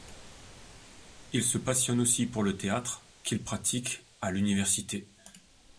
Il se passionne aussi pour le théâtre, qu'il pratique à l'université.